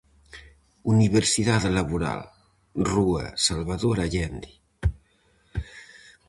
Universidade laboral, rúa Salvador Allende.